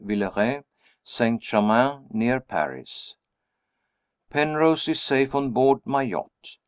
Villeray, St. Germain, near Paris. Penrose is safe on board my yacht.